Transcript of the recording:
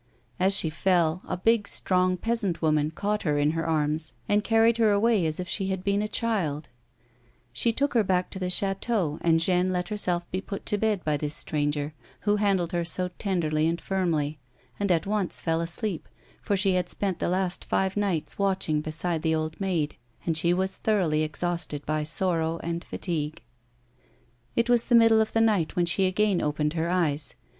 As she fell ' a big, strong peasant woman caught her in her arms and carried her away as if she had been a child ; she took her back to the chateau, and Jeanne let herself be put to bed by this stranger, who handled her so tenderly and firmly, and at once fell asleep, for she had spent the last five nights watching beside the old maid, and she was thoroughly exhausted by sorrow and fatigue. It was the middle of the night when she again opened her eyes.